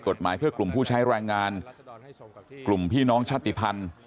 กฎหมายเพื่อกลุ่มผู้ใช้แรงงานกลุ่มพี่น้องชาติภัณฑ์